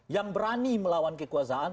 yang berani melawan kekuasaan